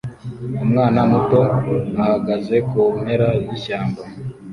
Umwana muto ahagaze kumpera yishyamba